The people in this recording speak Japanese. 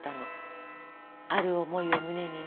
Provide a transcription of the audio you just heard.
ある思いを胸にね。